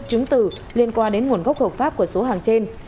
chứng từ liên quan đến nguồn gốc hợp pháp của số hàng trên